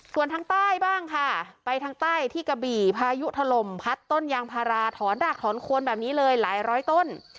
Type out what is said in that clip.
ส่วนทางใต้บ้างค่ะไปทางใต้ที่กะบี่พายุถล่มพัดต้นยางพาราถอนดักถอนโคนแบบนี้เลยหลายร้อยต้น